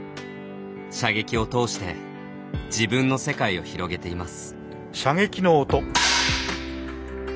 射撃を通して自分の世界を広げています。